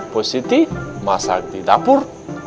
pak siti masak di dapur